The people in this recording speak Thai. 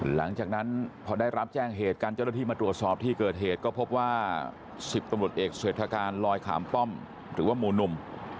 หลังจากนั้นพอได้รับแจ้งเหตุกันเจ้าหน้าที่มาตรวจสอบที่เกิดเหตุก็พบว่า๑๐ตำรวจเอกเศรษฐการลอยขามป้อมหรือว่าหมู่นุ่ม